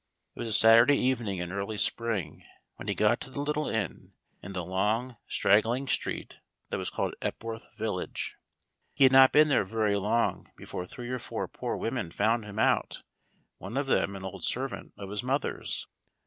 It was Saturday evening in early spring, when he got to the little inn, in the long straggling street that was called Epworth village. He had not been there very long before three or four poor women found him out, one of them an old servant of his mother's.